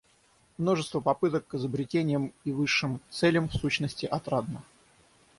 Множество попыток к изобретениям и высшим целям, в сущности, отрадно.